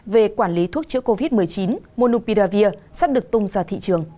về quản lý thuốc chữa covid một mươi chín monupidavir sắp được tung ra thị trường